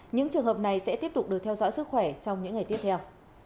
những trường hợp này sẽ tiếp tục được theo dõi sức khỏe trong những ngày tiếp theo